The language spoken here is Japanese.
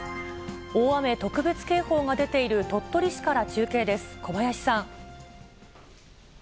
大雨特別警報が出ている鳥取市から中継です。